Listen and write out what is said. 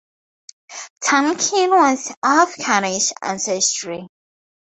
Tonkin was of Cornish ancestry.